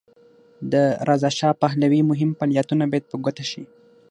د رضاشاه پهلوي مهم فعالیتونه باید په ګوته شي.